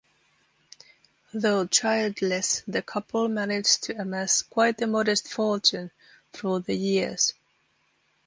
Though childless the couple managed to amass quite a modest fortune through the years.